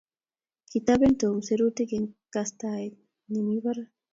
Kitoben Tom serutik eng kastaet ne mi barak